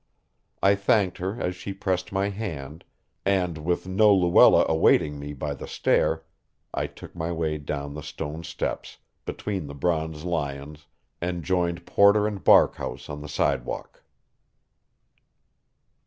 I thanked her as she pressed my hand, and, with no Luella awaiting me by the stair, I took my way down the stone steps, between the bronze lions, and joined Porter and Barkhouse on the sidewalk.